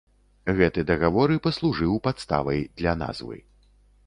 Гэты дагавор і паслужыў падставай для назвы.